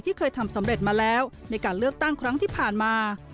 เคยทำสำเร็จมาแล้วในการเลือกตั้งครั้งที่ผ่านมา